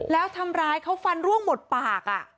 แล้วทำร้ายเขาฟันร่วงหมดปาก